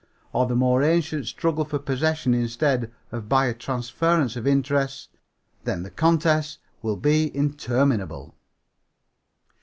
or the more ancient struggle for possession instead of by a transference of interest, then the contest will be interminable.